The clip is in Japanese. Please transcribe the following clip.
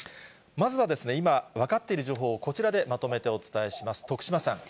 まずは、今、分かっている情報を、こちらでまとめてお伝えします。